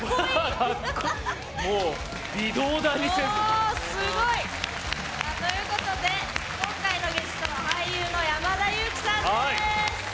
おすごい！ということで今回のゲストは俳優の山田裕貴さんです！